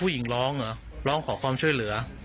อ๋อผู้หญิงร้องอ๋อร้องขอความช่วยเหลือ